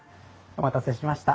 お待たせしました。